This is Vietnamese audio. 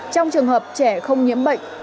trong trường hợp trẻ không nhiễm bệnh